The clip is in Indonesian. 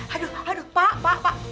aduh aduh pak pak